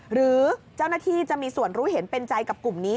หรือเจ้าหน้าที่จะมีส่วนรู้เห็นเป็นใจกับกลุ่มนี้